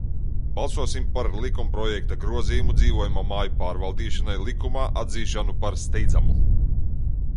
"Balsosim par likumprojekta "Grozījumi Dzīvojamo māju pārvaldīšanas likumā" atzīšanu par steidzamu!"